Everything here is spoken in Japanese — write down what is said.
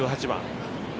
１８番。